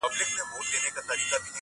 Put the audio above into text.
پکښی پورته به د خپل بلال آذان سي-